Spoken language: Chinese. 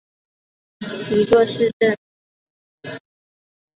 德尔彭是德国下萨克森州的一个市镇。